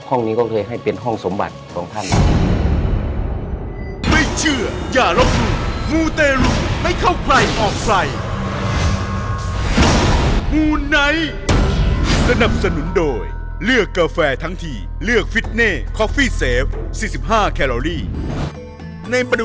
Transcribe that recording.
ห้องนี้ก็คือให้เป็นห้องสมบัติของท่าน